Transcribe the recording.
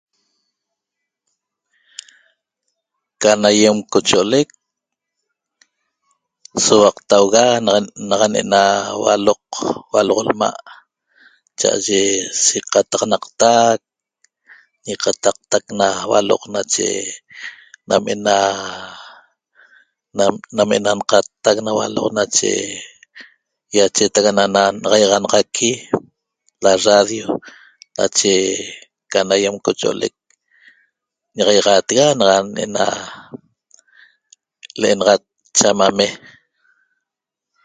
Can aýem cocho'olec souaqtauga naxa ne'ena hualoq hualoq lma' cha'aye seqataxanaqtac ñiqataqtac na hualoq nache nam ena nam ena n'qattac na hualoq nache ýachetac ana'ana na'axaixanaxaqui laradio nache can aýem cocho'olec ña'axaixaatega naxa ne'ena l'enaxat chamame'